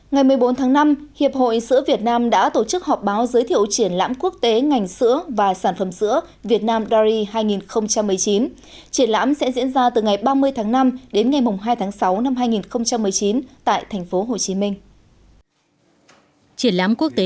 ngày một mươi bốn tháng năm hiệp hội sữa việt nam đã tổ chức họp báo giới thiệu triển lãm quốc tế